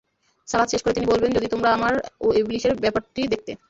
সালাত শেষ করে তিনি বললেনঃ যদি তোমরা আমার ও ইবলীসের ব্যাপারটি দেখতে!